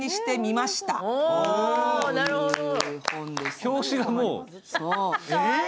表紙がもう。